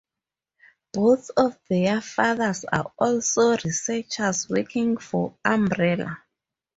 Both of their fathers are also researchers working for Umbrella.